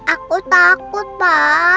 aku takut pa